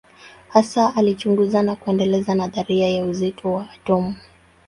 Hasa alichunguza na kuendeleza nadharia ya uzito wa atomu.